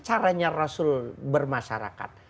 caranya rasul bermasyarakat